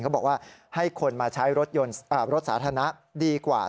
เขาบอกว่าให้คนมาใช้รถยนต์รถสาธารณะดีกว่า